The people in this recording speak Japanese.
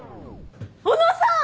小野さん！